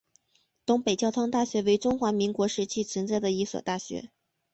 东北交通大学为中华民国时期存在的一所大学。